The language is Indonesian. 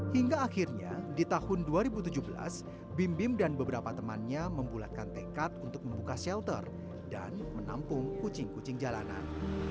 hingga akhirnya di tahun dua ribu tujuh belas bim bim dan beberapa temannya membulatkan tekad untuk membuka shelter dan menampung kucing kucing jalanan